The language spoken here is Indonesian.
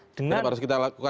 tidak harus kita lakukan